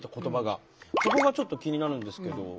そこがちょっと気になるんですけど。